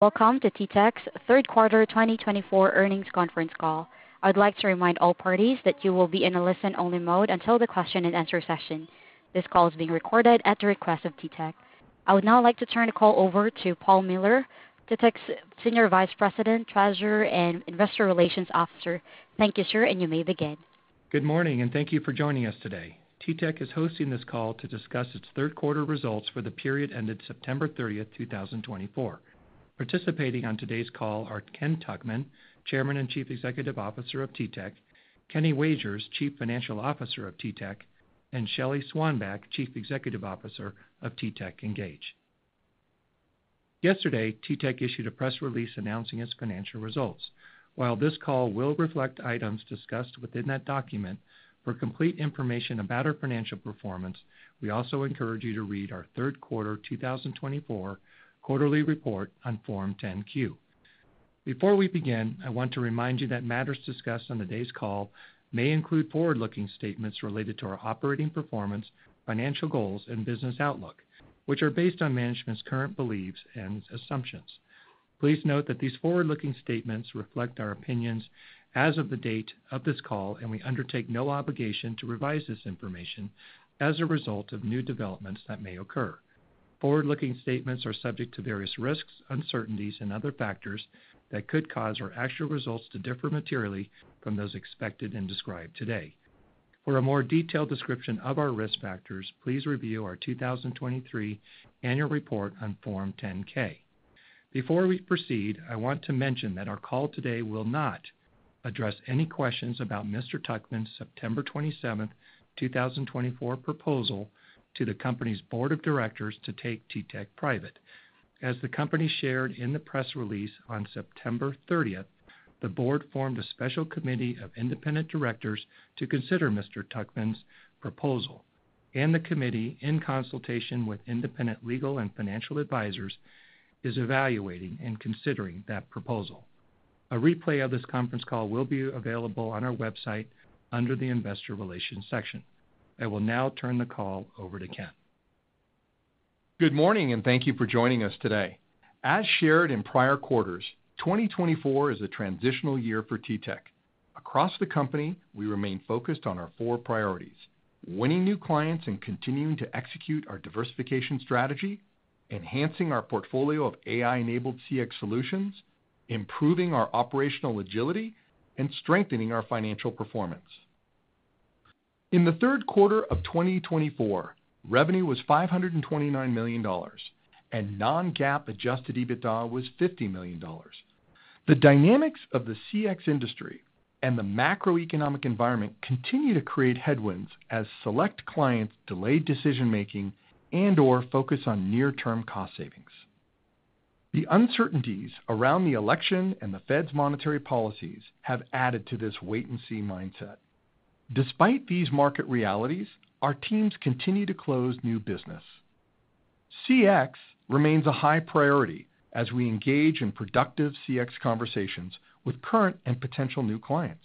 Welcome to TTEC's third quarter 2024 earnings conference call. I would like to remind all parties that you will be in a listen-only mode until the question-and-answer session. This call is being recorded at the request of TTEC. I would now like to turn the call over to Paul Miller, TTEC's Senior Vice President, Treasurer, and Investor Relations Officer. Thank you, sir, and you may begin. Good morning, and thank you for joining us today. TTEC is hosting this call to discuss its third quarter results for the period ended September 30th, 2024. Participating on today's call are Ken Tuchman, Chairman and Chief Executive Officer of TTEC, Kenny Wagers, Chief Financial Officer of TTEC, and Shelly Swanback, Chief Executive Officer of TTEC Engage. Yesterday, TTEC issued a press release announcing its financial results. While this call will reflect items discussed within that document, for complete information about our financial performance, we also encourage you to read our third quarter 2024 quarterly report on Form 10-Q. Before we begin, I want to remind you that matters discussed on today's call may include forward-looking statements related to our operating performance, financial goals, and business outlook, which are based on management's current beliefs and assumptions. Please note that these forward-looking statements reflect our opinions as of the date of this call, and we undertake no obligation to revise this information as a result of new developments that may occur. Forward-looking statements are subject to various risks, uncertainties, and other factors that could cause our actual results to differ materially from those expected and described today. For a more detailed description of our risk factors, please review our 2023 Annual Report on Form 10-K. Before we proceed, I want to mention that our call today will not address any questions about Mr. Tuchman's September 27th, 2024, proposal to the company's Board of Directors to take TTEC private. As the company shared in the press release on September 30th, the Board formed a Special Committee of Independent Directors to consider Mr. Tuchman's proposal, and the committee, in consultation with independent legal and financial advisors, is evaluating and considering that proposal. A replay of this conference call will be available on our website under the Investor Relations section. I will now turn the call over to Ken. Good morning, and thank you for joining us today. As shared in prior quarters, 2024 is a transitional year for TTEC. Across the company, we remain focused on our four priorities: winning new clients and continuing to execute our diversification strategy, enhancing our portfolio of AI-enabled CX solutions, improving our operational agility, and strengthening our financial performance. In the third quarter of 2024, revenue was $529 million, and non-GAAP adjusted EBITDA was $50 million. The dynamics of the CX industry and the macroeconomic environment continue to create headwinds as select clients delay decision-making and/or focus on near-term cost savings. The uncertainties around the election and the Fed's monetary policies have added to this wait-and-see mindset. Despite these market realities, our teams continue to close new business. CX remains a high priority as we engage in productive CX conversations with current and potential new clients.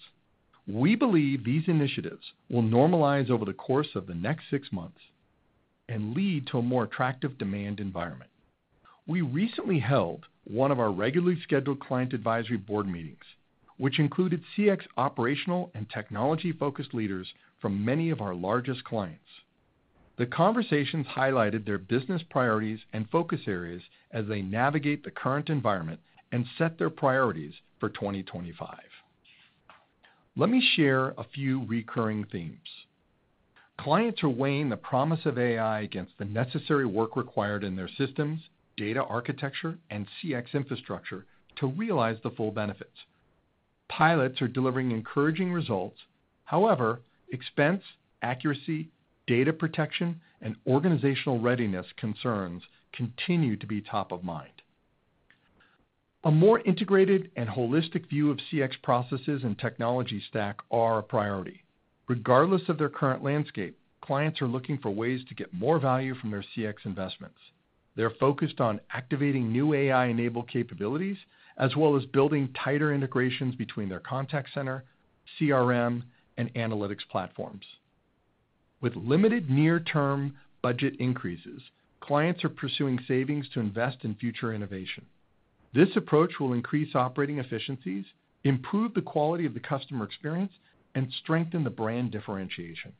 We believe these initiatives will normalize over the course of the next six months and lead to a more attractive demand environment. We recently held one of our regularly scheduled Client Advisory Board Meetings, which included CX operational and technology-focused leaders from many of our largest clients. The conversations highlighted their business priorities and focus areas as they navigate the current environment and set their priorities for 2025. Let me share a few recurring themes. Clients are weighing the promise of AI against the necessary work required in their systems, data architecture, and CX infrastructure to realize the full benefits. Pilots are delivering encouraging results. However, expense, accuracy, data protection, and organizational readiness concerns continue to be top of mind. A more integrated and holistic view of CX processes and technology stack are a priority. Regardless of their current landscape, clients are looking for ways to get more value from their CX investments. They're focused on activating new AI-enabled capabilities as well as building tighter integrations between their contact center, CRM, and analytics platforms. With limited near-term budget increases, clients are pursuing savings to invest in future innovation. This approach will increase operating efficiencies, improve the quality of the customer experience, and strengthen the brand differentiation.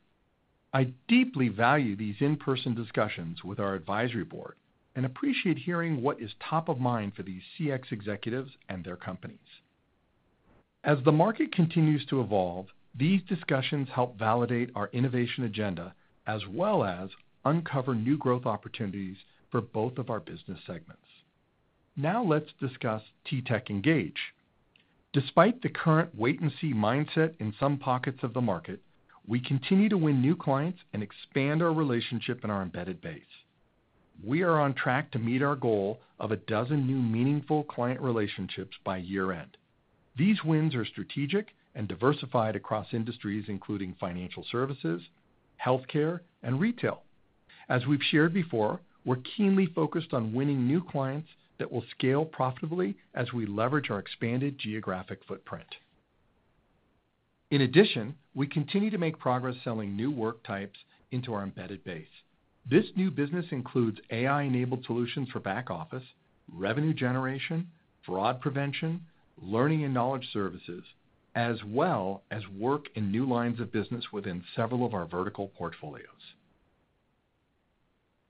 I deeply value these in-person discussions with our Advisory Board and appreciate hearing what is top of mind for these CX executives and their companies. As the market continues to evolve, these discussions help validate our innovation agenda as well as uncover new growth opportunities for both of our business segments. Now let's discuss TTEC Engage. Despite the current wait-and-see mindset in some pockets of the market, we continue to win new clients and expand our relationship and our embedded base. We are on track to meet our goal of a dozen new meaningful client relationships by year-end. These wins are strategic and diversified across industries including financial services, healthcare, and retail. As we've shared before, we're keenly focused on winning new clients that will scale profitably as we leverage our expanded geographic footprint. In addition, we continue to make progress selling new work types into our embedded base. This new business includes AI-enabled solutions for back office, revenue generation, fraud prevention, learning and knowledge services, as well as work in new lines of business within several of our vertical portfolios.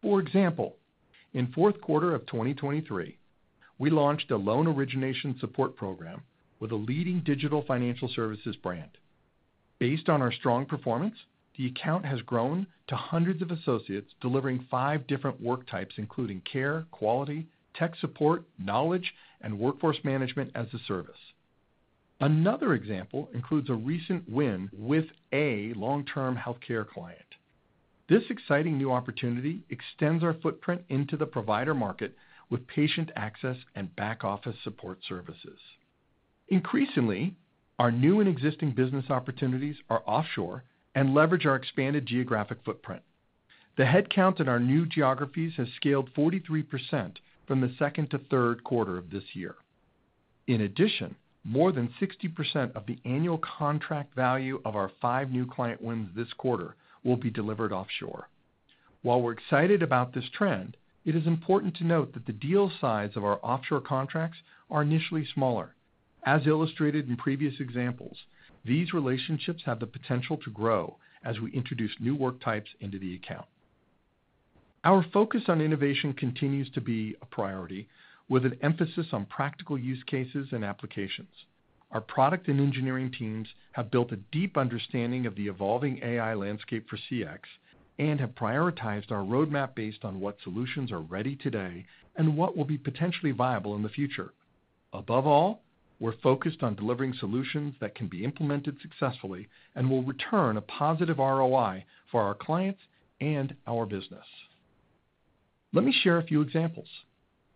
For example, in the fourth quarter of 2023, we launched a loan origination support program with a leading digital financial services brand. Based on our strong performance, the account has grown to hundreds of associates delivering five different work types including care, quality, tech support, knowledge, and workforce management as a service. Another example includes a recent win with a long-term healthcare client. This exciting new opportunity extends our footprint into the provider market with patient access and back office support services. Increasingly, our new and existing business opportunities are offshore and leverage our expanded geographic footprint. The headcount in our new geographies has scaled 43% from the second to third quarter of this year. In addition, more than 60% of the annual contract value of our five new client wins this quarter will be delivered offshore. While we're excited about this trend, it is important to note that the deal size of our offshore contracts are initially smaller. As illustrated in previous examples, these relationships have the potential to grow as we introduce new work types into the account. Our focus on innovation continues to be a priority, with an emphasis on practical use cases and applications. Our product and engineering teams have built a deep understanding of the evolving AI landscape for CX and have prioritized our roadmap based on what solutions are ready today and what will be potentially viable in the future. Above all, we're focused on delivering solutions that can be implemented successfully and will return a positive ROI for our clients and our business. Let me share a few examples.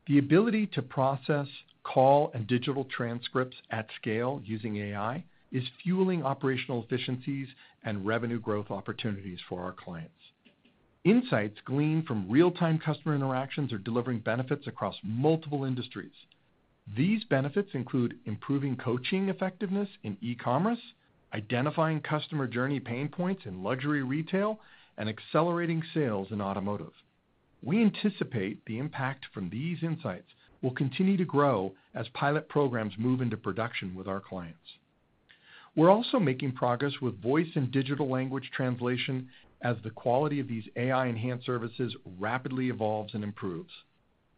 The ability to process, call, and digital transcripts at scale using AI is fueling operational efficiencies and revenue growth opportunities for our clients. Insights gleaned from real-time customer interactions are delivering benefits across multiple industries. These benefits include improving coaching effectiveness in e-commerce, identifying customer journey pain points in luxury retail, and accelerating sales in automotive. We anticipate the impact from these insights will continue to grow as pilot programs move into production with our clients. We're also making progress with voice and digital language translation as the quality of these AI-enhanced services rapidly evolves and improves.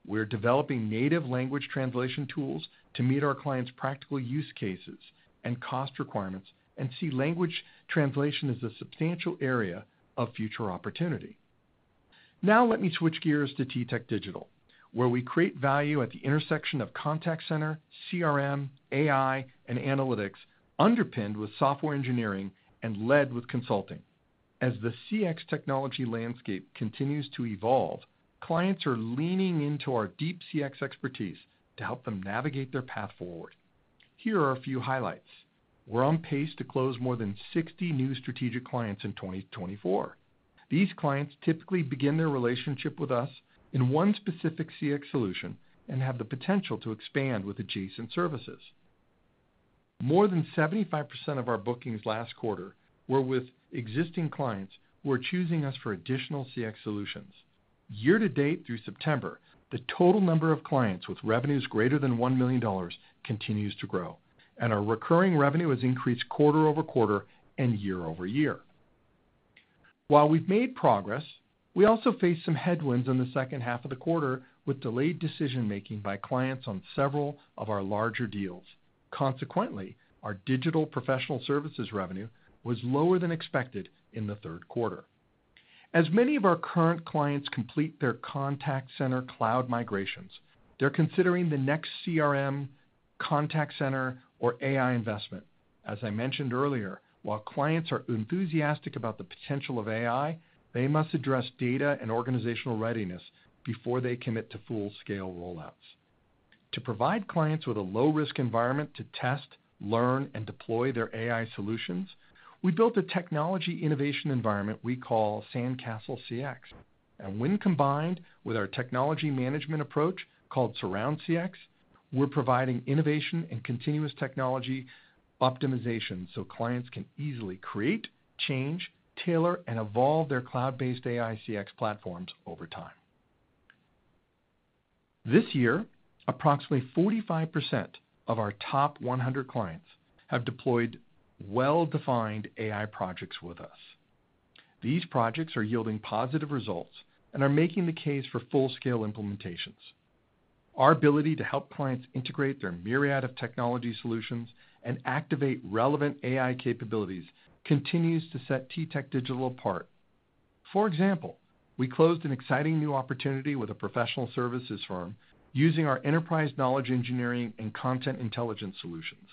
We're developing native language translation tools to meet our clients' practical use cases and cost requirements and see language translation as a substantial area of future opportunity. Now let me switch gears to TTEC Digital, where we create value at the intersection of contact center, CRM, AI, and analytics, underpinned with software engineering and led with consulting. As the CX technology landscape continues to evolve, clients are leaning into our deep CX expertise to help them navigate their path forward. Here are a few highlights. We're on pace to close more than 60 new strategic clients in 2024. These clients typically begin their relationship with us in one specific CX solution and have the potential to expand with adjacent services. More than 75% of our bookings last quarter were with existing clients who are choosing us for additional CX solutions. Year-to-date through September, the total number of clients with revenues greater than $1 million continues to grow, and our recurring revenue has increased quarter-over-quarter and year-over-year. While we've made progress, we also faced some headwinds in the second half of the quarter with delayed decision-making by clients on several of our larger deals. Consequently, our digital professional services revenue was lower than expected in the third quarter. As many of our current clients complete their contact center cloud migrations, they're considering the next CRM, contact center, or AI investment. As I mentioned earlier, while clients are enthusiastic about the potential of AI, they must address data and organizational readiness before they commit to full-scale rollouts. To provide clients with a low-risk environment to test, learn, and deploy their AI solutions, we built a technology innovation environment we call SandcastleCX, and when combined with our technology management approach called SurroundCX, we're providing innovation and continuous technology optimization so clients can easily create, change, tailor, and evolve their cloud-based AI CX platforms over time. This year, approximately 45% of our top 100 clients have deployed well-defined AI projects with us. These projects are yielding positive results and are making the case for full-scale implementations. Our ability to help clients integrate their myriad of technology solutions and activate relevant AI capabilities continues to set TTEC Digital apart. For example, we closed an exciting new opportunity with a professional services firm using our enterprise knowledge engineering and content intelligence solutions.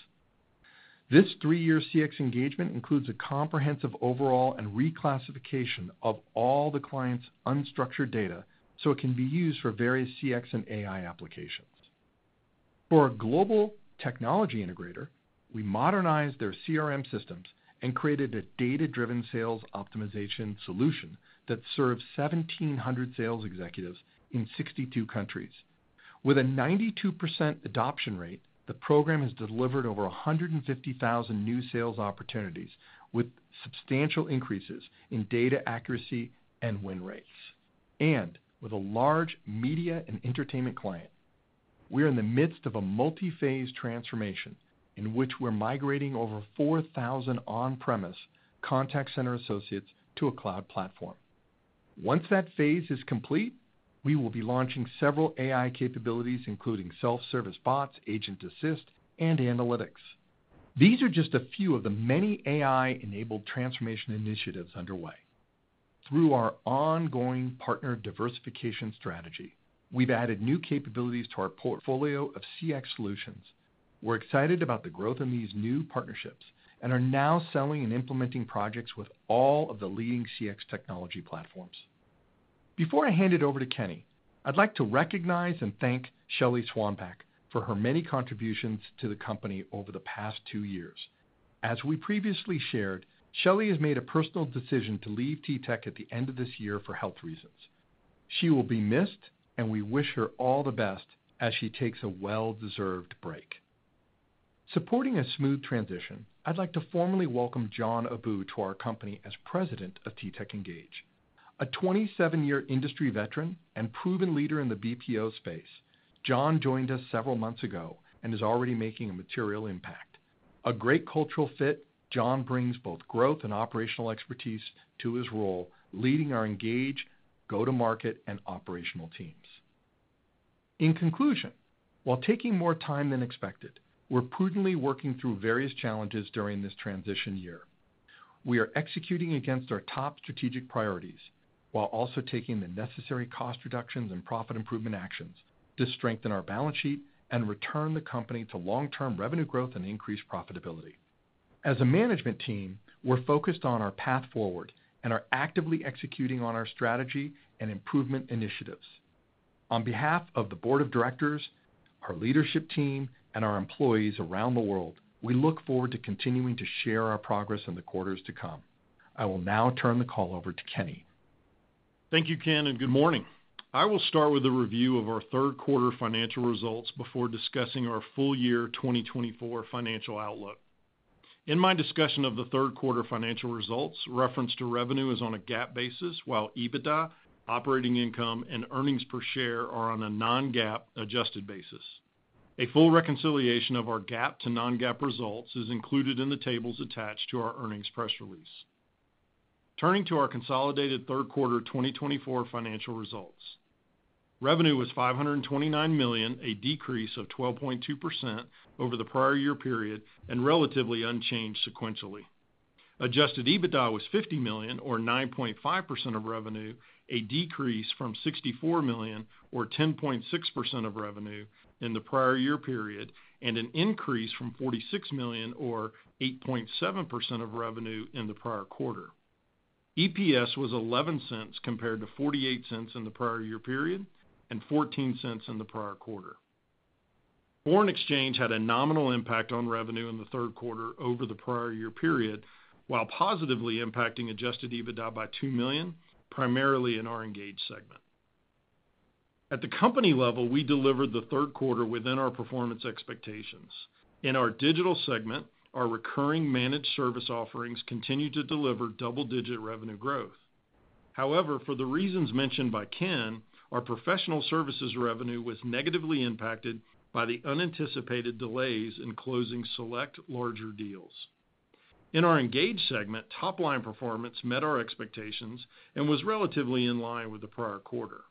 This three-year CX engagement includes a comprehensive overhaul and reclassification of all the clients' unstructured data so it can be used for various CX and AI applications. For a global technology integrator, we modernized their CRM systems and created a data-driven sales optimization solution that serves 1,700 sales executives in 62 countries. With a 92% adoption rate, the program has delivered over 150,000 new sales opportunities with substantial increases in data accuracy and win rates. And with a large media and entertainment client, we're in the midst of a multi-phase transformation in which we're migrating over 4,000 on-premise contact center associates to a cloud platform. Once that phase is complete, we will be launching several AI capabilities including self-service bots, agent assist, and analytics. These are just a few of the many AI-enabled transformation initiatives underway. Through our ongoing partner diversification strategy, we've added new capabilities to our portfolio of CX solutions. We're excited about the growth in these new partnerships and are now selling and implementing projects with all of the leading CX technology platforms. Before I hand it over to Kenny, I'd like to recognize and thank Shelly Swanback for her many contributions to the company over the past two years. As we previously shared, Shelly has made a personal decision to leave TTEC at the end of this year for health reasons. She will be missed, and we wish her all the best as she takes a well-deserved break. Supporting a smooth transition, I'd like to formally welcome John Abou to our company as President of TTEC Engage. A 27-year industry veteran and proven leader in the BPO space, John joined us several months ago and is already making a material impact. A great cultural fit, John brings both growth and operational expertise to his role, leading our Engage, go-to-market, and operational teams. In conclusion, while taking more time than expected, we're prudently working through various challenges during this transition year. We are executing against our top strategic priorities while also taking the necessary cost reductions and profit improvement actions to strengthen our balance sheet and return the company to long-term revenue growth and increased profitability. As a management team, we're focused on our path forward and are actively executing on our strategy and improvement initiatives. On behalf of the Board of Directors, our leadership team, and our employees around the world, we look forward to continuing to share our progress in the quarters to come. I will now turn the call over to Kenny. Thank you, Ken, and good morning. I will start with a review of our third quarter financial results before discussing our full year 2024 financial outlook. In my discussion of the third quarter financial results, reference to revenue is on a GAAP basis, while EBITDA, operating income, and earnings per share are on a non-GAAP adjusted basis. A full reconciliation of our GAAP to non-GAAP results is included in the tables attached to our earnings press release. Turning to our consolidated third quarter 2024 financial results, revenue was $529 million, a decrease of 12.2% over the prior year period and relatively unchanged sequentially. Adjusted EBITDA was $50 million, or 9.5% of revenue, a decrease from $64 million, or 10.6% of revenue in the prior year period, and an increase from $46 million, or 8.7% of revenue in the prior quarter. EPS was $0.11 compared to $0.48 in the prior year period and $0.14 in the prior quarter. Foreign exchange had a nominal impact on revenue in the third quarter over the prior year period, while positively impacting adjusted EBITDA by $2 million, primarily in our Engage segment. At the company level, we delivered the third quarter within our performance expectations. In our Digital segment, our recurring managed service offerings continue to deliver double-digit revenue growth. However, for the reasons mentioned by Ken, our professional services revenue was negatively impacted by the unanticipated delays in closing select larger deals. In our Engage segment, top-line performance met our expectations and was relatively in line with the prior quarter.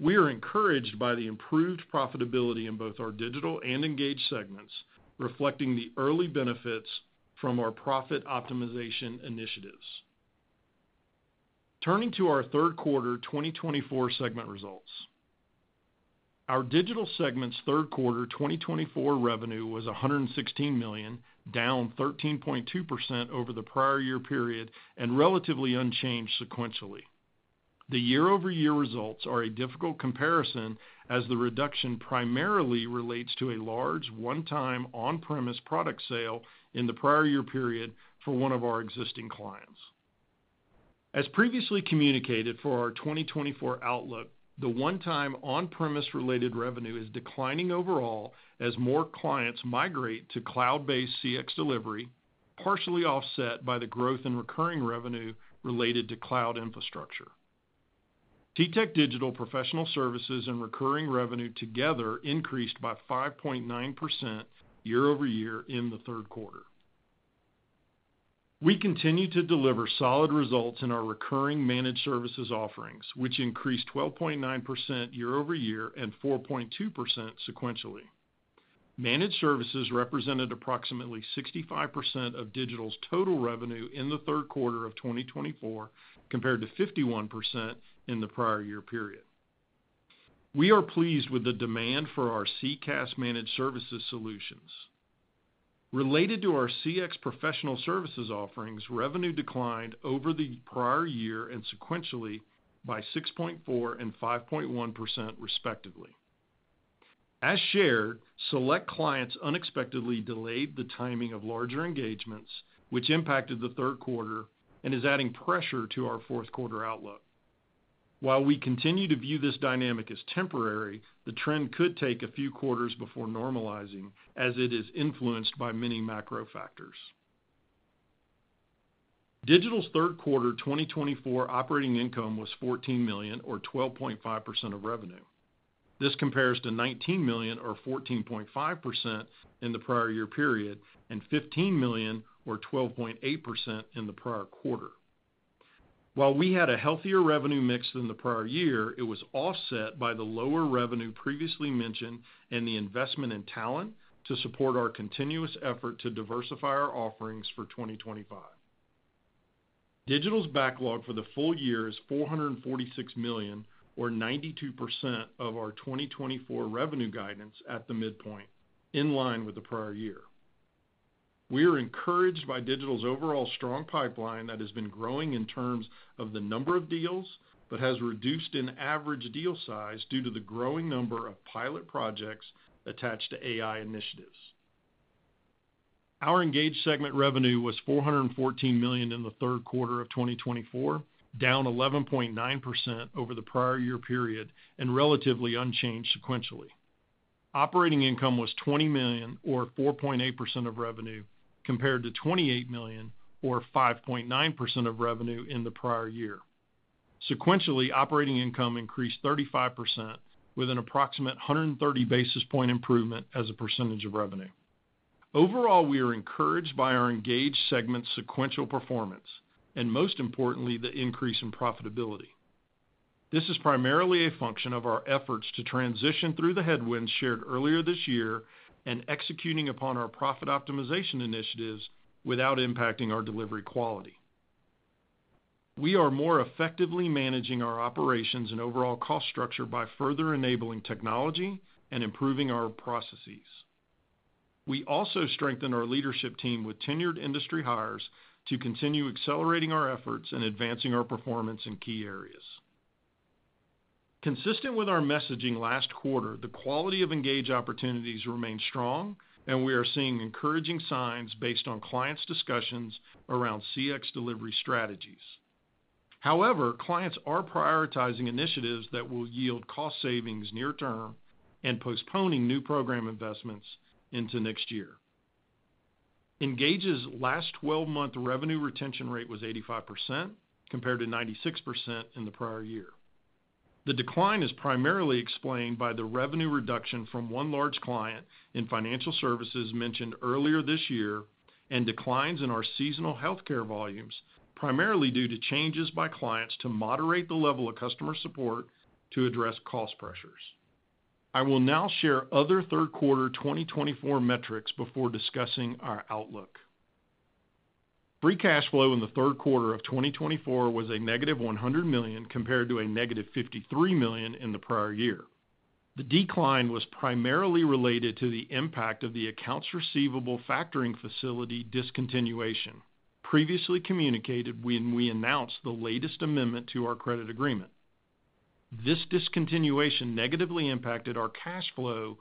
We are encouraged by the improved profitability in both our Digital and Engage segments, reflecting the early benefits from our profit optimization initiatives. Turning to our third quarter 2024 segment results, our Digital segment's third quarter 2024 revenue was $116 million, down 13.2% over the prior year period and relatively unchanged sequentially. The year-over-year results are a difficult comparison as the reduction primarily relates to a large one-time on-premise product sale in the prior year period for one of our existing clients. As previously communicated for our 2024 outlook, the one-time on-premise-related revenue is declining overall as more clients migrate to cloud-based CX delivery, partially offset by the growth in recurring revenue related to cloud infrastructure. TTEC Digital professional services and recurring revenue together increased by 5.9% year-over-year in the third quarter. We continue to deliver solid results in our recurring managed services offerings, which increased 12.9% year-over-year and 4.2% sequentially. Managed services represented approximately 65% of Digital's total revenue in the third quarter of 2024 compared to 51% in the prior year period. We are pleased with the demand for our CCaaS managed services solutions. Related to our CX professional services offerings, revenue declined over the prior year and sequentially by 6.4% and 5.1% respectively. As shared, select clients unexpectedly delayed the timing of larger engagements, which impacted the third quarter and is adding pressure to our fourth quarter outlook. While we continue to view this dynamic as temporary, the trend could take a few quarters before normalizing as it is influenced by many macro factors. Digital's third quarter 2024 operating income was $14 million, or 12.5% of revenue. This compares to $19 million, or 14.5% in the prior year period, and $15 million, or 12.8% in the prior quarter. While we had a healthier revenue mix than the prior year, it was offset by the lower revenue previously mentioned and the investment in talent to support our continuous effort to diversify our offerings for 2025. Digital's backlog for the full year is $446 million, or 92% of our 2024 revenue guidance at the midpoint, in line with the prior year. We are encouraged by Digital's overall strong pipeline that has been growing in terms of the number of deals but has reduced in average deal size due to the growing number of pilot projects attached to AI initiatives. Our Engage segment revenue was $414 million in the third quarter of 2024, down 11.9% over the prior year period and relatively unchanged sequentially. Operating income was $20 million, or 4.8% of revenue, compared to $28 million, or 5.9% of revenue in the prior year. Sequentially, operating income increased 35% with an approximate 130 basis points improvement as a percentage of revenue. Overall, we are encouraged by our Engage segment's sequential performance and, most importantly, the increase in profitability. This is primarily a function of our efforts to transition through the headwinds shared earlier this year and executing upon our profit optimization initiatives without impacting our delivery quality. We are more effectively managing our operations and overall cost structure by further enabling technology and improving our processes. We also strengthen our leadership team with tenured industry hires to continue accelerating our efforts and advancing our performance in key areas. Consistent with our messaging last quarter, the quality of Engage opportunities remains strong, and we are seeing encouraging signs based on clients' discussions around CX delivery strategies. However, clients are prioritizing initiatives that will yield cost savings near-term and postponing new program investments into next year. Engage's last 12-month revenue retention rate was 85% compared to 96% in the prior year. The decline is primarily explained by the revenue reduction from one large client in financial services mentioned earlier this year and declines in our seasonal healthcare volumes, primarily due to changes by clients to moderate the level of customer support to address cost pressures. I will now share other third quarter 2024 metrics before discussing our outlook. Free cash flow in the third quarter of 2024 was -$100 million compared to -$53 million in the prior year. The decline was primarily related to the impact of the accounts receivable factoring facility discontinuation previously communicated when we announced the latest amendment to our credit agreement. This discontinuation negatively impacted our cash flow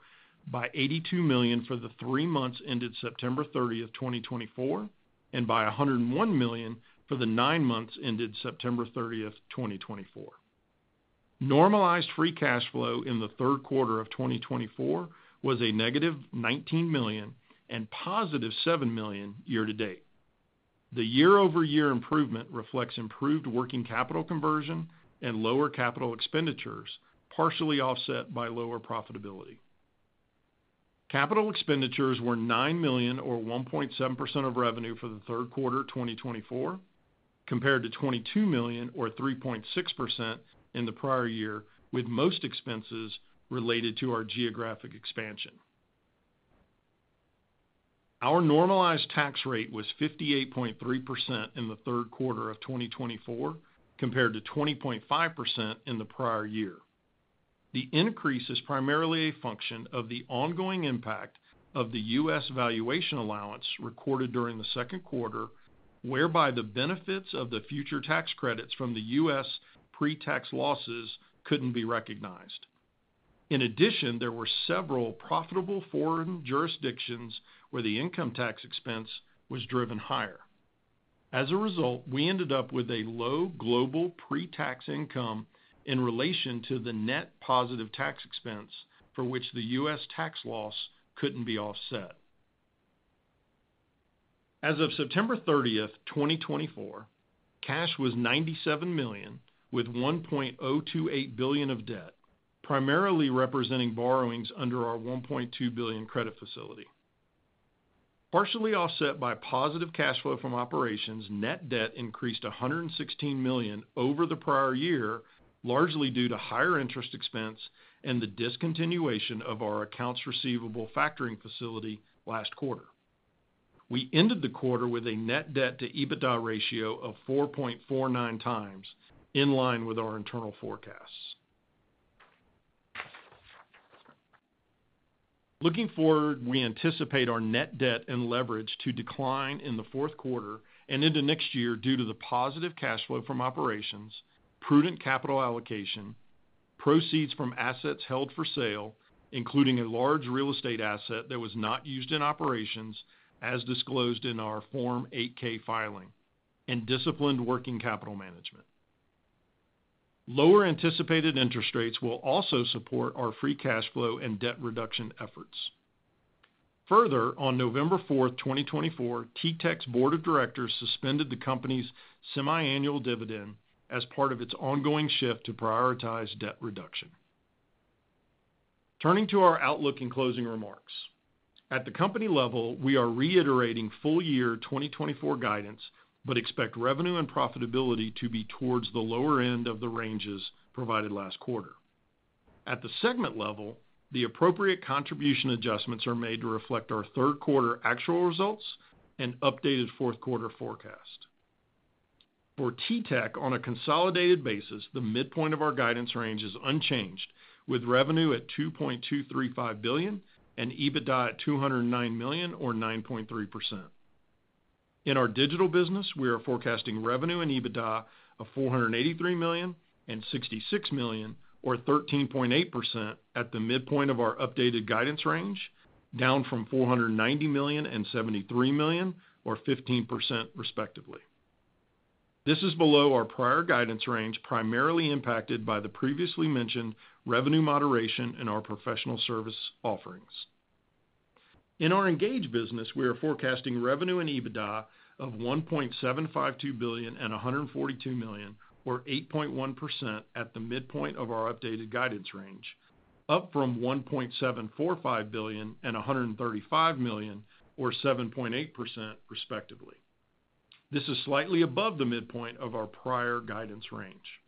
by $82 million for the three months ended September 30, 2024, and by $101 million for the nine months ended September 30, 2024. Normalized free cash flow in the third quarter of 2024 was a -$19 million and +$7 million year-to-date. The year-over-year improvement reflects improved working capital conversion and lower capital expenditures, partially offset by lower profitability. Capital expenditures were $9 million, or 1.7% of revenue for the third quarter 2024, compared to $22 million, or 3.6% in the prior year, with most expenses related to our geographic expansion. Our normalized tax rate was 58.3% in the third quarter of 2024 compared to 20.5% in the prior year. The increase is primarily a function of the ongoing impact of the U.S. Valuation Allowance recorded during the second quarter, whereby the benefits of the future tax credits from the U.S. pre-tax losses couldn't be recognized. In addition, there were several profitable foreign jurisdictions where the income tax expense was driven higher. As a result, we ended up with a low global pre-tax income in relation to the net positive tax expense for which the U.S. tax loss couldn't be offset. As of September 30th, 2024, cash was $97 million, with $1.028 billion of debt, primarily representing borrowings under our $1.2 billion credit facility. Partially offset by positive cash flow from operations, net debt increased $116 million over the prior year, largely due to higher interest expense and the discontinuation of our accounts receivable factoring facility last quarter. We ended the quarter with a net debt to EBITDA ratio of 4.49x, in line with our internal forecasts. Looking forward, we anticipate our net debt and leverage to decline in the fourth quarter and into next year due to the positive cash flow from operations, prudent capital allocation, proceeds from assets held for sale, including a large real estate asset that was not used in operations, as disclosed in our Form 8-K filing, and disciplined working capital management. Lower anticipated interest rates will also support our free cash flow and debt reduction efforts. Further, on November 4, 2024, TTEC's Board of Directors suspended the company's semiannual dividend as part of its ongoing shift to prioritize debt reduction. Turning to our outlook in closing remarks, at the company level, we are reiterating full year 2024 guidance but expect revenue and profitability to be towards the lower end of the ranges provided last quarter. At the segment level, the appropriate contribution adjustments are made to reflect our third quarter actual results and updated fourth quarter forecast. For TTEC, on a consolidated basis, the midpoint of our guidance range is unchanged, with revenue at $2.235 billion and EBITDA at $209 million, or 9.3%. In our Digital business, we are forecasting revenue and EBITDA of $483 million and $66 million, or 13.8%, at the midpoint of our updated guidance range, down from $490 million and $73 million, or 15%, respectively. This is below our prior guidance range, primarily impacted by the previously mentioned revenue moderation in our professional service offerings. In our Engage business, we are forecasting revenue and EBITDA of $1.752 billion and $142 million, or 8.1%, at the midpoint of our updated guidance range, up from $1.745 billion and $135 million, or 7.8%, respectively. This is slightly above the midpoint of our prior guidance range.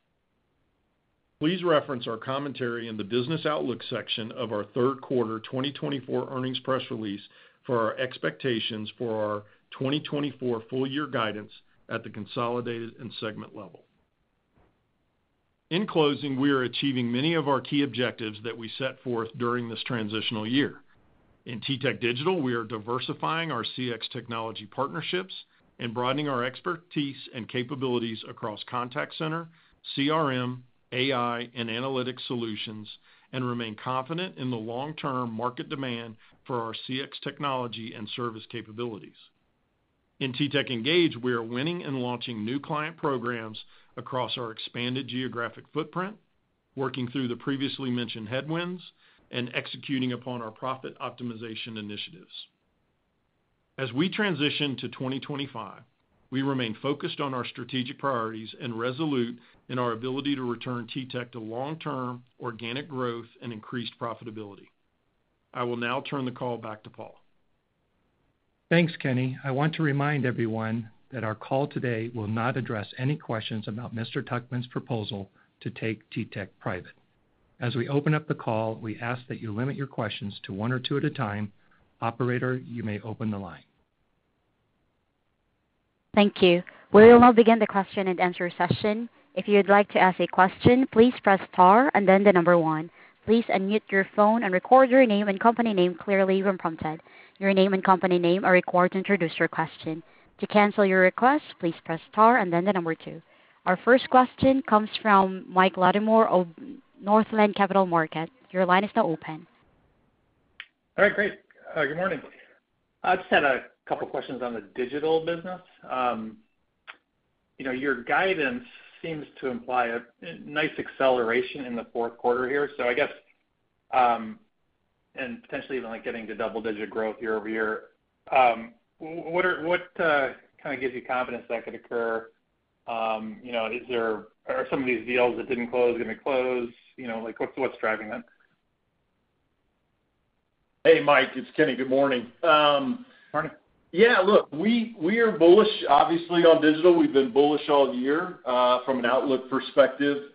Please reference our commentary in the business outlook section of our third quarter 2024 earnings press release for our expectations for our 2024 full year guidance at the consolidated and segment level. In closing, we are achieving many of our key objectives that we set forth during this transitional year. In TTEC Digital, we are diversifying our CX technology partnerships and broadening our expertise and capabilities across contact center, CRM, AI, and analytics solutions, and remain confident in the long-term market demand for our CX technology and service capabilities. In TTEC Engage, we are winning and launching new client programs across our expanded geographic footprint, working through the previously mentioned headwinds and executing upon our profit optimization initiatives. As we transition to 2025, we remain focused on our strategic priorities and resolute in our ability to return TTEC to long-term organic growth and increased profitability. I will now turn the call back to Paul. Thanks, Kenny. I want to remind everyone that our call today will not address any questions about Mr. Tuchman's proposal to take TTEC private. As we open up the call, we ask that you limit your questions to one or two at a time. Operator, you may open the line. Thank you. We will now begin the question and answer session. If you'd like to ask a question, please press star and then the number one. Please unmute your phone and record your name and company name clearly when prompted. Your name and company name are required to introduce your question. To cancel your request, please press star and then the number two. Our first question comes from Mike Latimore of Northland Capital Markets. Your line is now open. All right. Great. Good morning. I just had a couple of questions on the Digital business. Your guidance seems to imply a nice acceleration in the fourth quarter here. So I guess, and potentially even getting to double-digit growth year-over-year, what kind of gives you confidence that could occur? Are some of these deals that didn't close going to close? What's driving that? Hey, Mike. It's Kenny. Good morning. Morning. Yeah. Look, we are bullish, obviously, on Digital. We've been bullish all year from an outlook perspective.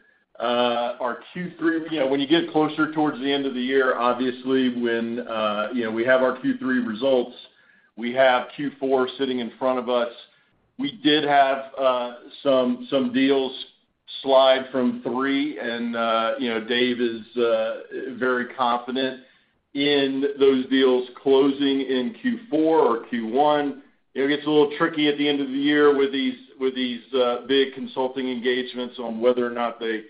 Our Q3, when you get closer towards the end of the year, obviously, when we have our Q3 results, we have Q4 sitting in front of us. We did have some deals slide from three, and David is very confident in those deals closing in Q4 or Q1. It gets a little tricky at the end of the year with these big consulting engagements on whether or not they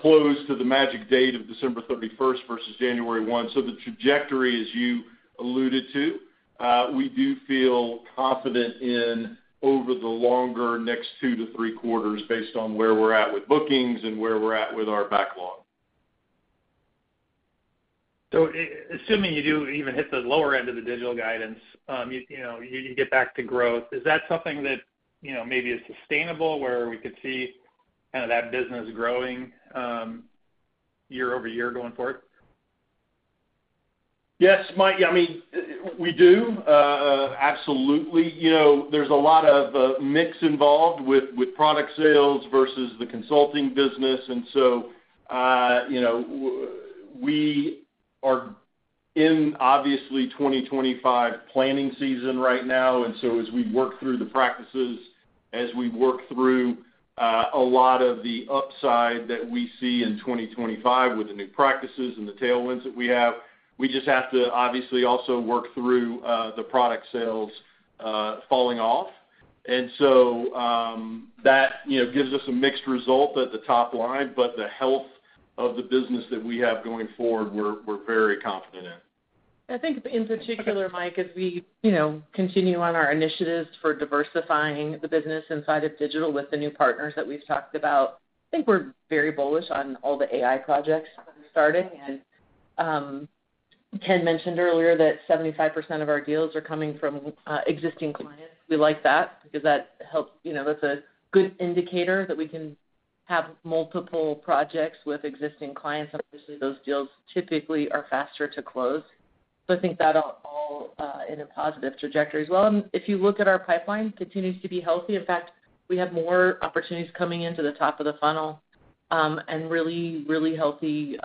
close to the magic date of December 31st versus January 1. So the trajectory is you alluded to. We do feel confident in over the longer next two to three quarters based on where we're at with bookings and where we're at with our backlog. So assuming you do even hit the lower end of the Digital guidance, you get back to growth. Is that something that maybe is sustainable where we could see kind of that business growing year over year going forward? Yes. Mike, I mean, we do. Absolutely. There's a lot of mix involved with product sales versus the consulting business. And so we are in, obviously, 2025 planning season right now. And so as we work through the practices, as we work through a lot of the upside that we see in 2025 with the new practices and the tailwinds that we have, we just have to, obviously, also work through the product sales falling off. And so that gives us a mixed result at the top line, but the health of the business that we have going forward, we're very confident in. I think, in particular, Mike, as we continue on our initiatives for diversifying the business inside of Digital with the new partners that we've talked about, I think we're very bullish on all the AI projects that are starting. And Ken mentioned earlier that 75% of our deals are coming from existing clients. We like that because that helps. That's a good indicator that we can have multiple projects with existing clients. Obviously, those deals typically are faster to close. So I think that all in a positive trajectory as well. And if you look at our pipeline, it continues to be healthy. In fact, we have more opportunities coming into the top of the funnel and really, really healthy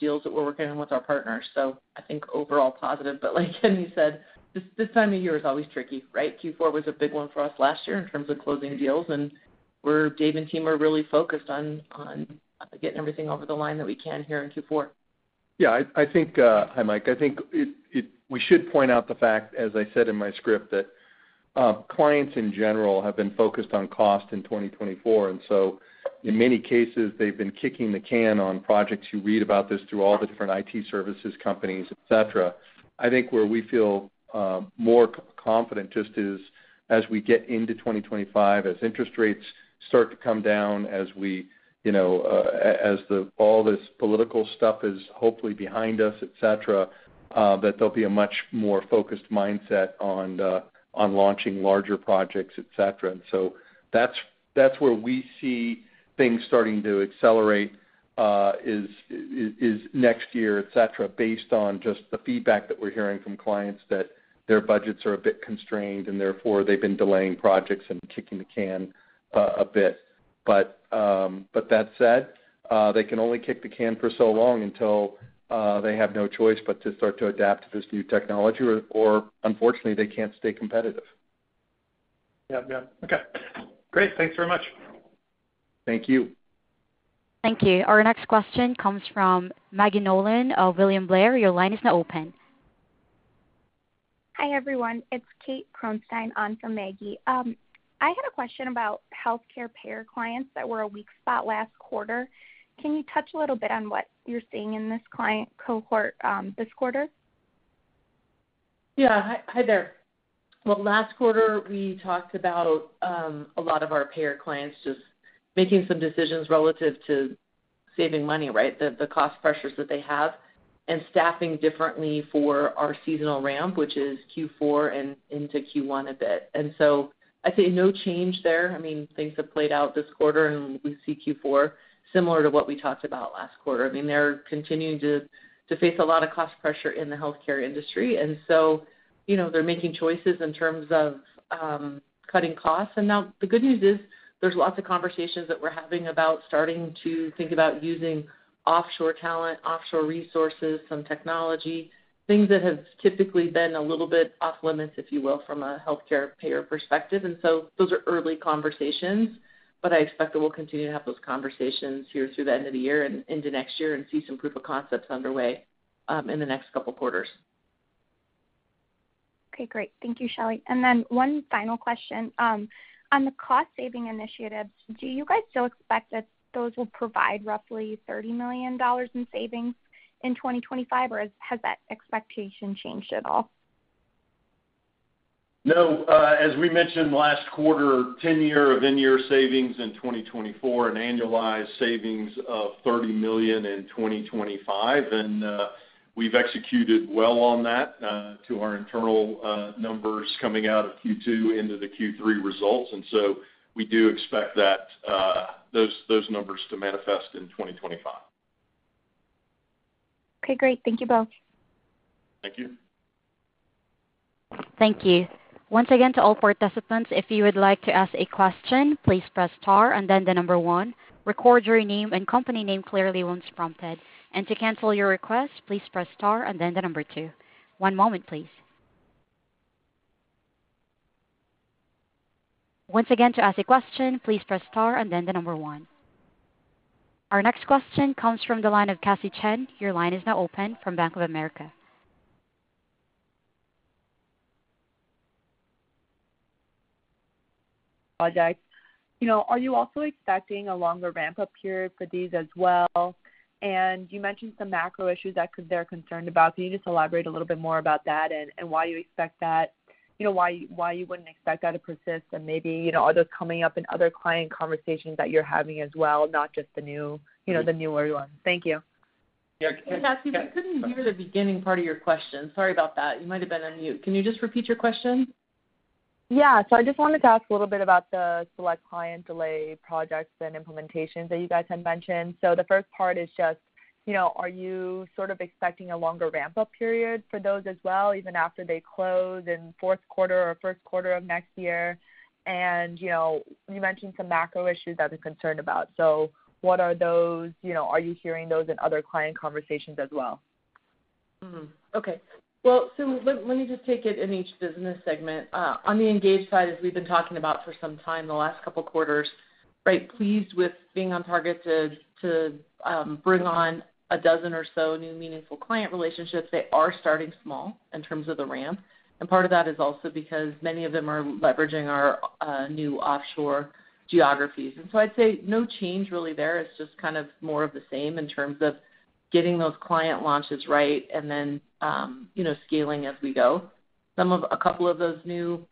deals that we're working on with our partners. So I think overall positive. But like Kenny said, this time of year is always tricky, right? Q4 was a big one for us last year in terms of closing deals. And Dave and team are really focused on getting everything over the line that we can here in Q4. Yeah. Hi, Mike. I think we should point out the fact, as I said in my script, that clients in general have been focused on cost in 2024, and so in many cases, they've been kicking the can on projects. You read about this through all the different IT services companies, etc. I think where we feel more confident just is as we get into 2025, as interest rates start to come down, as all this political stuff is hopefully behind us, etc., that there'll be a much more focused mindset on launching larger projects, etc., and so that's where we see things starting to accelerate is next year, etc., based on just the feedback that we're hearing from clients that their budgets are a bit constrained, and therefore they've been delaying projects and kicking the can a bit. But that said, they can only kick the can for so long until they have no choice but to start to adapt to this new technology, or unfortunately, they can't stay competitive. Yep. Yep. Okay. Great. Thanks very much. Thank you. Thank you. Our next question comes from Maggie Nolan of William Blair. Your line is now open. Hi, everyone. It's Kate Kronstein on for Maggie. I had a question about healthcare payer clients that were a weak spot last quarter. Can you touch a little bit on what you're seeing in this client cohort this quarter? Yeah. Hi there. Well, last quarter, we talked about a lot of our payer clients just making some decisions relative to saving money, right, the cost pressures that they have, and staffing differently for our seasonal ramp, which is Q4 and into Q1 a bit. And so I'd say no change there. I mean, things have played out this quarter, and we see Q4 similar to what we talked about last quarter. I mean, they're continuing to face a lot of cost pressure in the healthcare industry. And so they're making choices in terms of cutting costs. And now the good news is there's lots of conversations that we're having about starting to think about using offshore talent, offshore resources, some technology, things that have typically been a little bit off limits, if you will, from a healthcare payer perspective. And so those are early conversations, but I expect that we'll continue to have those conversations here through the end of the year and into next year and see some proof of concepts underway in the next couple of quarters. Okay. Great. Thank you, Shelly. And then one final question. On the cost-saving initiatives, do you guys still expect that those will provide roughly $30 million in savings in 2025, or has that expectation changed at all? No. As we mentioned last quarter, ten million of in-year savings in 2024 and annualized savings of $30 million in 2025. And we've executed well on that to our internal numbers coming out of Q2 into the Q3 results. And so we do expect those numbers to manifest in 2025. Okay. Great. Thank you both. Thank you. Thank you. Once again, to all participants, if you would like to ask a question, please press star and then the number one. Record your name and company name clearly once prompted. And to cancel your request, please press star and then the number two. One moment, please. Once again, to ask a question, please press star and then the number one. Our next question comes from the line of Cassie Chan. Your line is now open from Bank of America. Please. Are you also expecting a longer ramp-up period for these as well? And you mentioned some macro issues that they're concerned about. Can you just elaborate a little bit more about that and why you expect that, why you wouldn't expect that to persist? And maybe are those coming up in other client conversations that you're having as well, not just the newer ones? Thank you. Yeah. Can I ask you something? I couldn't hear the beginning part of your question. Sorry about that. You might have been on mute. Can you just repeat your question? Yeah. So I just wanted to ask a little bit about the select client delay projects and implementations that you guys had mentioned. So the first part is just, are you sort of expecting a longer ramp-up period for those as well, even after they close in fourth quarter or first quarter of next year? And you mentioned some macro issues that they're concerned about. So what are those? Are you hearing those in other client conversations as well? Okay. Well, so let me just take it in each business segment. On the Engage side, as we've been talking about for some time the last couple of quarters, right, pleased with being on target to bring on a dozen or so new meaningful client relationships. They are starting small in terms of the ramp. And part of that is also because many of them are leveraging our new offshore geographies. And so I'd say no change really there. It's just kind of more of the same in terms of getting those client launches right and then scaling as we go. A couple of those new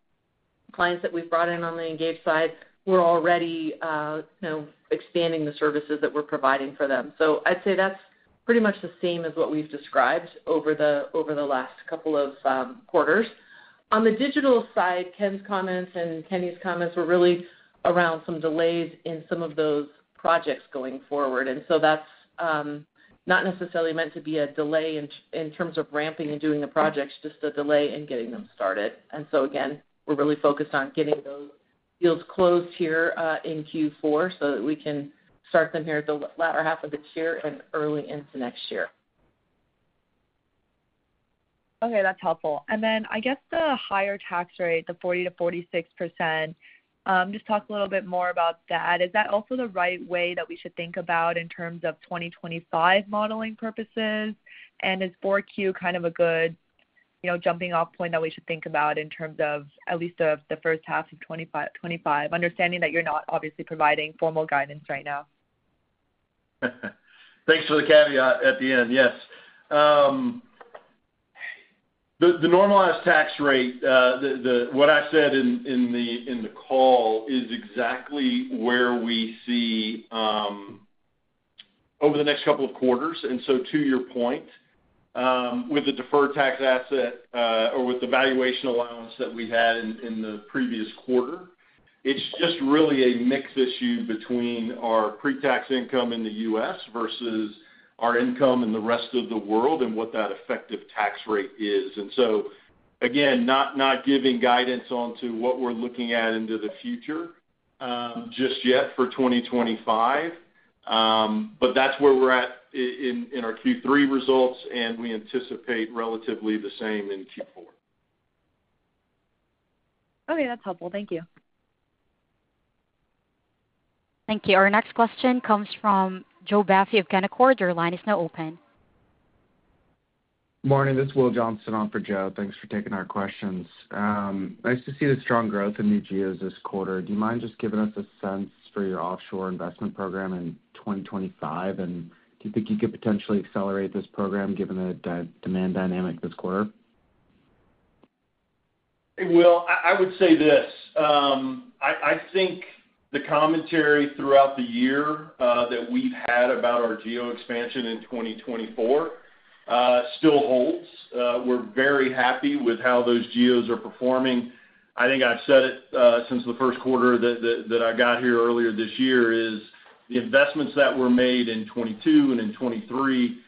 clients that we've brought in on the Engage side, we're already expanding the services that we're providing for them. So I'd say that's pretty much the same as what we've described over the last couple of quarters. On the Digital side, Ken's comments and Kenny's comments were really around some delays in some of those projects going forward. And so that's not necessarily meant to be a delay in terms of ramping and doing the projects, just a delay in getting them started. And so again, we're really focused on getting those deals closed here in Q4 so that we can start them here at the latter half of this year and early into next year. Okay. That's helpful. Then I guess the higher tax rate, the 40%-46%, just talk a little bit more about that. Is that also the right way that we should think about in terms of 2025 modeling purposes? And is 4Q kind of a good jumping-off point that we should think about in terms of at least the first half of 2025, understanding that you're not obviously providing formal guidance right now? Thanks for the caveat at the end. Yes. The normalized tax rate, what I said in the call, is exactly where we see over the next couple of quarters. And so to your point, with the deferred tax asset or with the valuation allowance that we had in the previous quarter, it's just really a mixed issue between our pre-tax income in the U.S. versus our income in the rest of the world and what that effective tax rate is. And so again, not giving guidance onto what we're looking at into the future just yet for 2025. But that's where we're at in our Q3 results, and we anticipate relatively the same in Q4. Okay. That's helpful. Thank you. Thank you. Our next question comes from Joe Vafi of Canaccord. Your line is now open. Good morning. This is Will Johnson on for Joe. Thanks for taking our questions. Nice to see the strong growth in Engage this quarter. Do you mind just giving us a sense for your offshore investment program in 2025? Do you think you could potentially accelerate this program given the demand dynamic this quarter? Well, I would say this. I think the commentary throughout the year that we've had about our geo expansion in 2024 still holds. We're very happy with how those geos are performing. I think I've said it since the first quarter that I got here earlier this year is the investments that were made in 2022 and in 2023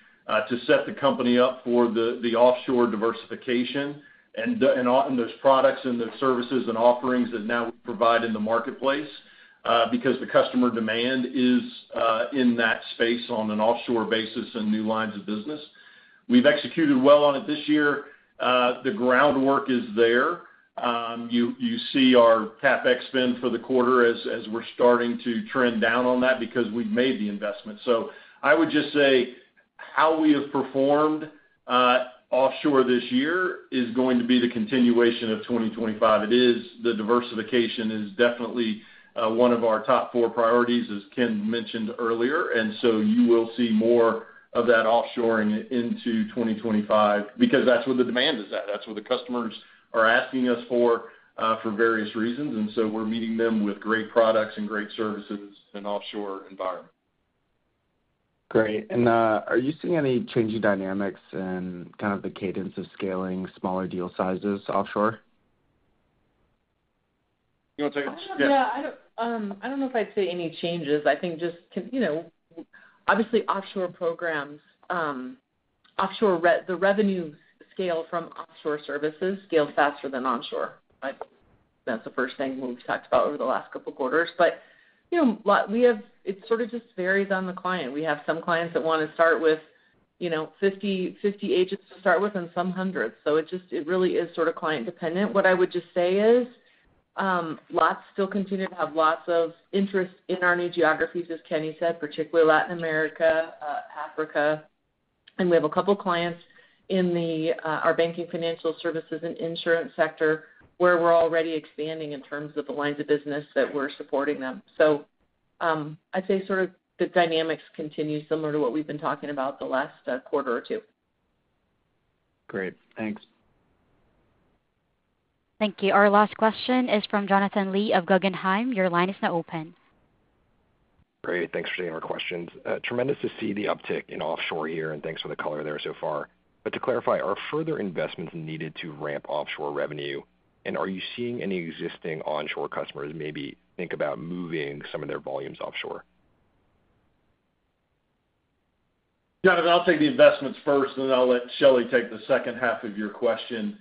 to set the company up for the offshore diversification and those products and the services and offerings that now we provide in the marketplace because the customer demand is in that space on an offshore basis and new lines of business. We've executed well on it this year. The groundwork is there. You see our CapEx spend for the quarter as we're starting to trend down on that because we've made the investment. I would just say how we have performed offshore this year is going to be the continuation of 2025. The diversification is definitely one of our top four priorities, as Ken mentioned earlier. You will see more of that offshoring into 2025 because that's where the demand is at. That's where the customers are asking us for various reasons. We're meeting them with great products and great services in an offshore environment. Great. Are you seeing any changing dynamics in kind of the cadence of scaling smaller deal sizes offshore? You want to take it? Yeah. No, I don't know if I'd say any changes. I think just obviously offshore programs, the revenue scale from offshore services scales faster than onshore. That's the first thing we've talked about over the last couple of quarters. But it sort of just varies on the client. We have some clients that want to start with 50 agents to start with and some hundreds. So it really is sort of client-dependent. What I would just say is lots still continue to have lots of interest in our new geographies, as Kenny said, particularly Latin America, Africa, and we have a couple of clients in our banking, financial services, and insurance sector where we're already expanding in terms of the lines of business that we're supporting them. So I'd say sort of the dynamics continue similar to what we've been talking about the last quarter or two. Great. Thanks. Thank you. Our last question is from Jonathan Lee of Guggenheim. Your line is now open. Great. Thanks for taking our questions. Tremendous to see the uptick in offshore here, and thanks for the color there so far, but to clarify, are further investments needed to ramp offshore revenue? Are you seeing any existing onshore customers maybe think about moving some of their volumes offshore? Jonathan, I'll take the investments first, and then I'll let Shelly take the second half of your question.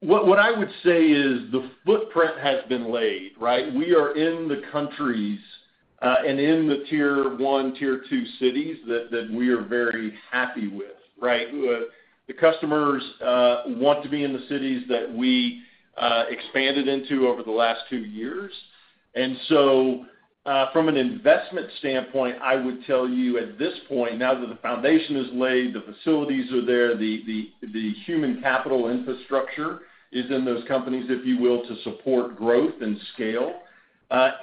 What I would say is the footprint has been laid, right? We are in the countries and in the Tier 1, Tier 2 cities that we are very happy with, right? The customers want to be in the cities that we expanded into over the last two years. And so from an investment standpoint, I would tell you at this point, now that the foundation is laid, the facilities are there, the human capital infrastructure is in those countries, if you will, to support growth and scale.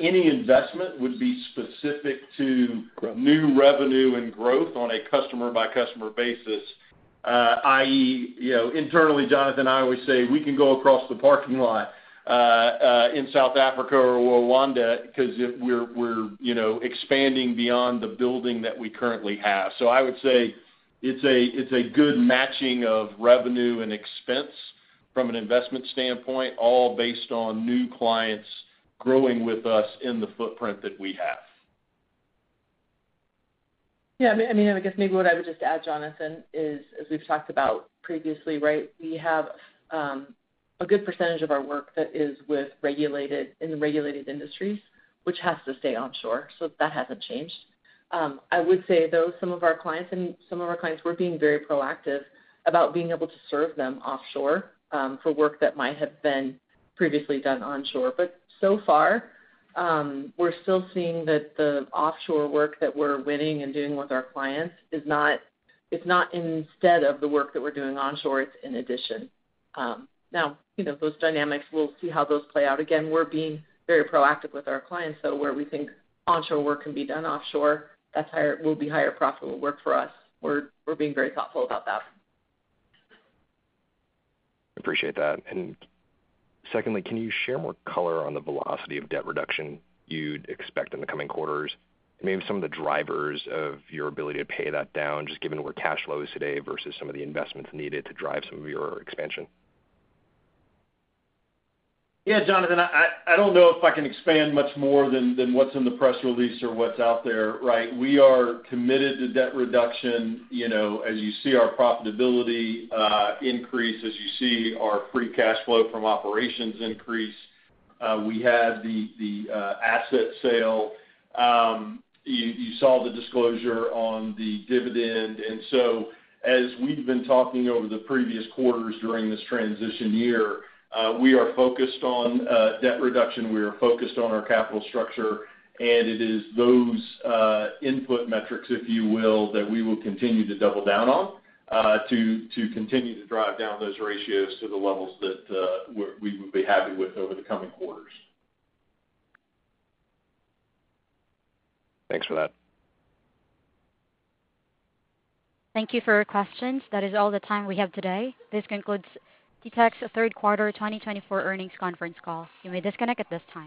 Any investment would be specific to new revenue and growth on a customer-by-customer basis, i.e., internally, Jonathan, I always say we can go across the parking lot in South Africa or Rwanda because we're expanding beyond the building that we currently have. So I would say it's a good matching of revenue and expense from an investment standpoint, all based on new clients growing with us in the footprint that we have. Yeah. I mean, I guess maybe what I would just add, Jonathan, is as we've talked about previously, right, we have a good percentage of our work that is in the regulated industries, which has to stay onshore. So that hasn't changed. I would say, though, some of our clients and some of our clients were being very proactive about being able to serve them offshore for work that might have been previously done onshore. But so far, we're still seeing that the offshore work that we're winning and doing with our clients, it's not instead of the work that we're doing onshore. It's in addition. Now, those dynamics, we'll see how those play out. Again, we're being very proactive with our clients. So where we think onshore work can be done offshore, that will be higher profitable work for us. We're being very thoughtful about that. Appreciate that. And secondly, can you share more color on the velocity of debt reduction you'd expect in the coming quarters? Maybe some of the drivers of your ability to pay that down, just given where cash flow is today versus some of the investments needed to drive some of your expansion? Yeah, Jonathan, I don't know if I can expand much more than what's in the press release or what's out there, right? We are committed to debt reduction. As you see our profitability increase, as you see our free cash flow from operations increase, we have the asset sale. You saw the disclosure on the dividend. And so as we've been talking over the previous quarters during this transition year, we are focused on debt reduction. We are focused on our capital structure. And it is those input metrics, if you will, that we will continue to double down on to continue to drive down those ratios to the levels that we will be happy with over the coming quarters. Thanks for that. Thank you for your questions. That is all the time we have today. This concludes TTEC's third quarter 2024 earnings conference call. You may disconnect at this time.